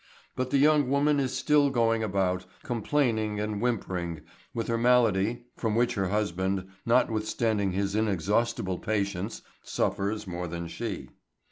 But the young woman is still going about, complaining and whimpering, with her malady (from which her husband, notwithstanding his inexhaustible patience, suffers more than she).